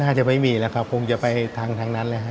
จะไม่มีแล้วครับคงจะไปทางนั้นแหละฮะ